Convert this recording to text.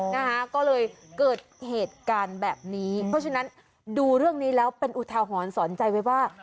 นะคะก็เลยเกิดเหตุการณ์แบบนี้เพราะฉะนั้นดูเรื่องนี้แล้วเป็นอุทาหรณ์สอนใจไว้ว่า